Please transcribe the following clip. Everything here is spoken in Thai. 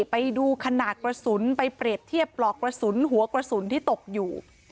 ไปดูขนาดกระสุนไปเปรียบเทียบปลอกกระสุนหัวกระสุนที่ตกอยู่